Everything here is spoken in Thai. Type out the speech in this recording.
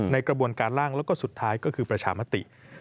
ในกระบวนการล่างแล้วก็สุดท้ายก็คือประชามติ